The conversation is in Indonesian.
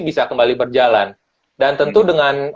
bisa kembali berjalan dan tentu dengan